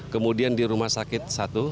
kemudian di rumah sakit satu